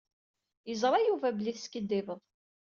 Yeẓṛa Yuba belli teskiddibeḍ.